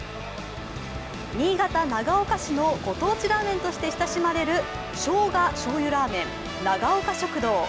新潟・長岡市のご当地ラーメンとして親しまれる生姜醤油ラーメン長岡食堂。